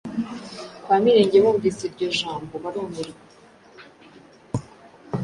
Kwa Mirenge bumvise iryo jambo barumirwa.